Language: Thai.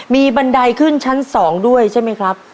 มีบันไดขึ้นชั้น๒ด้วยใช่ไหมครับ